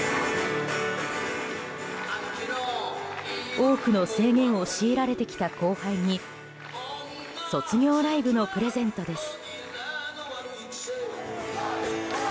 多くの制限を強いられてきた後輩に卒業ライブのプレゼントです。